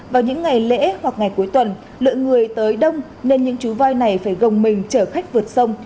vào những ngày lễ hoặc ngày cuối tuần lượng người tới đông nên những chú voi này phải gồng mình chở khách vượt sông